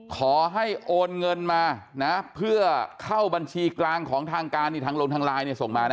ขอให้โอนเงินมานะเพื่อเข้าบัญชีกลางของทางการนี่ทางลงทางไลน์เนี่ยส่งมานะ